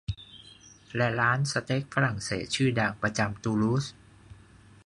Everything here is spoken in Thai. และร้านสเต็กฝรั่งเศสชื่อดังประจำตูลูส